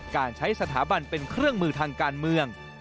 การใช้สถาบันเป็นเครื่องมือทางการเมือง